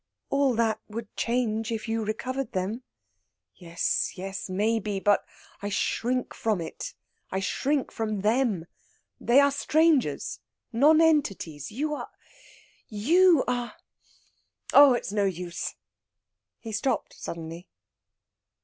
"All that would change if you recovered them." "Yes yes maybe! But I shrink from it; I shrink from them! They are strangers nonentities. You are you are oh, it's no use " He stopped suddenly.